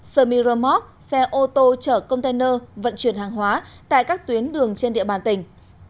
xe miramont xe ô tô chở container vận chuyển hàng hóa tại các tuyến đường trên địa bàn tỉnh